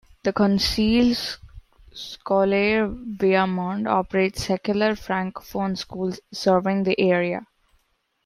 The "Conseil scolaire Viamonde" operates secular Francophone schools serving the area.